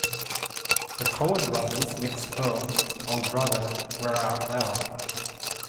The Coen brothers' next film, O Brother, Where Art Thou?